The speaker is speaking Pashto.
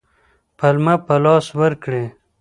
پلمه په لاس ورکړي.